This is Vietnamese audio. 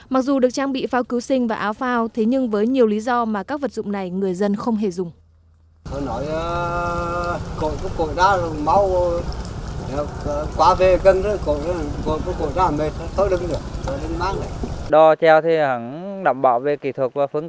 mặc dù được trang bị pháo cứu sinh và áo phao thế nhưng với nhiều lý do mà các vật dụng này người dân không hề dùng